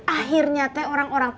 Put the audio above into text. akhirnya teh orang orangnya